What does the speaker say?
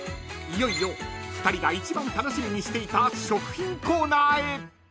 いよいよ２人が一番楽しみにしていた食品コーナーへ］